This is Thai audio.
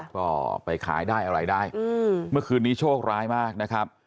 ก็ไปขายได้อะไรได้เมื่อคืนนี้โชคร้ายมากนะครับ